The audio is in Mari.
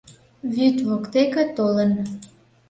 Вӱд воктеке толын